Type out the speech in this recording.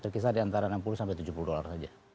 berkisar di antara enam puluh sampai tujuh puluh dolar saja